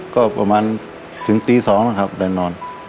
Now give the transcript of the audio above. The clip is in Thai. ก็ประมาณถึงตี๒นะครับได้นอน